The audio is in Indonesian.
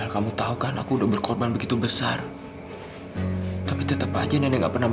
hati aku ini masih